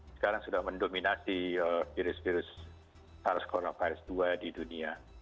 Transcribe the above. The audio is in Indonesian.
sekarang sudah mendominasi virus virus sars cov dua di dunia